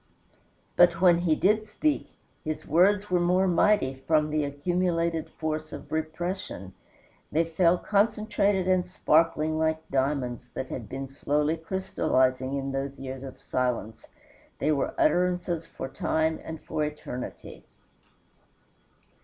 But when he did speak his words were more mighty from the accumulated force of repression. They fell concentrated and sparkling like diamonds that had been slowly crystallizing in those years of silence; they were utterances for time and for eternity.